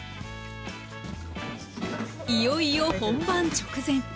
いよいよ本番直前。